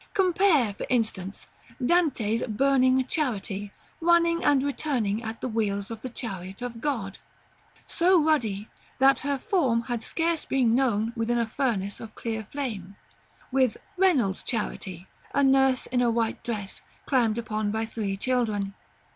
Compare, for instance, Dante's burning Charity, running and returning at the wheels of the chariot of God, "So ruddy, that her form had scarce Been known within a furnace of clear flame," with Reynolds's Charity, a nurse in a white dress, climbed upon by three children.